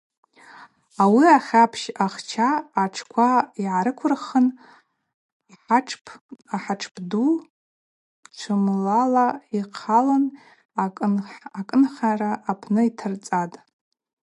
Ауи ахьапщ ахча атшква йгӏарыквырхын ахӏатшп ду чвымлала йхъалын акӏынхӏара апны йтарцӏатӏ.